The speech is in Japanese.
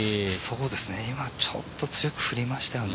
今、ちょっと強く振りましたよね。